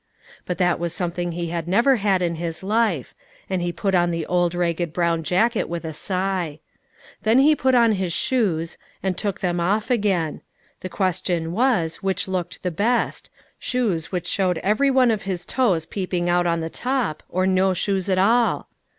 But that was something he had never had in his life, and he put on the old ragged brown jacket with a sigh. Then he put on his shoes, and took them off again: the question was, which looked the best, shoes which showed every one of his toes peeping out on the top, or no shoes at all?